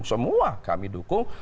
semua kami dukung